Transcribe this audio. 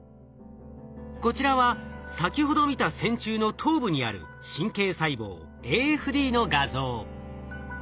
こちらは先ほど見た線虫の頭部にある神経細胞ＡＦＤの画像。